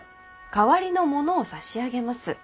代わりのものを差し上げます。